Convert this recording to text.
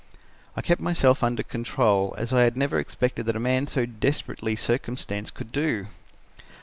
"I kept myself under control as I had never expected that a man so desperately circumstanced could do.